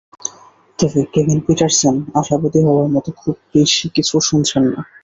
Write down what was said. তবে Kevin Pietersen আশাবাদী হওয়ার মতো খুব বেশি কিছু শুনছেন না।